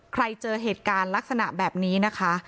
เจอเหตุการณ์ลักษณะแบบนี้นะคะ